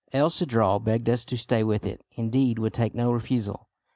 El Cedral begged us to stay with it; indeed would take no refusal.